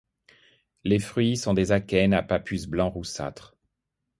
Les fruits sont des akènes à pappus blanc roussâtre.